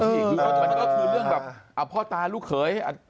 คือมันก็คือเรื่องแบบพ่อตาลูกเขย